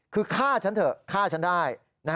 คือฆ่าฉันเถอะฆ่าฉันได้